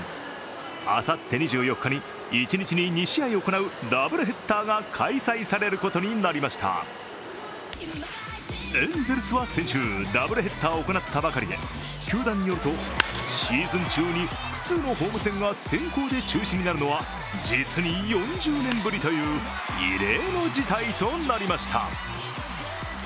あさって２４日に、１日に２試合行うダブルヘッダーが開催されることになりましたエンゼルスは先週、ダブルヘッダーを行ったばかりで、球団によるとシーズン中に複数のホーム戦が天候で中止になるのは実に４０年ぶりという異例の事態となりました。